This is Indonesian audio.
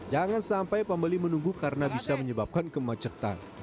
jangan sampai pembeli menunggu karena bisa menyebabkan kemacetan